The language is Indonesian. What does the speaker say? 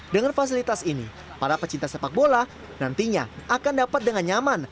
dengan fasilitas ini para pecinta sepak bola nantinya akan dapat dengan nyaman